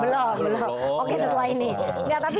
belum oke setelah ini